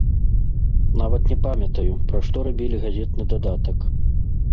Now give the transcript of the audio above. Нават не памятаю, пра што рабілі газетны дадатак.